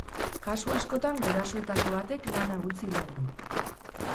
Kasu askotan gurasoetako batek lana utzi behar du.